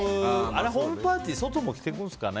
ホームパーティーって外も着ていくんですかね。